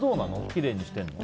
きれいにしてるの？